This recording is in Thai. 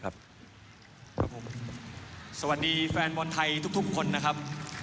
สวัสดีแฟนบอลไทยทุกคนนะครับ